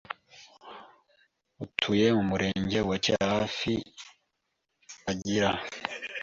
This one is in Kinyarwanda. utuye mu Murenge wa Cyahafi agira